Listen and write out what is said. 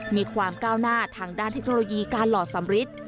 มีความก้าวหน้าทางด้านเทคโนโลยีการหล่อสำริท